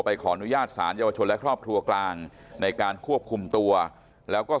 ขออนุญาตสารเยาวชนและครอบครัวกลางในการควบคุมตัวแล้วก็